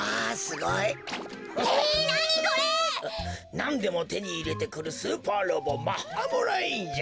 なんでもてにいれてくるスーパーロボマッハ・モライーンじゃ。